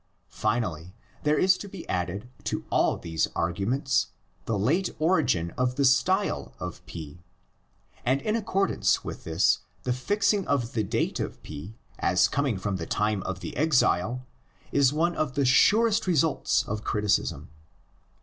Finally there is to be added to all these arguments the late origin of the style of P'. And in accordance with this the fixing of the date of P as coming from the time of the exile is one of the surest results of criticism.